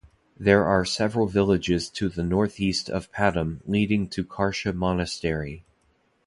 There are several villages to the north-east of Padum leading to Karsha monastery.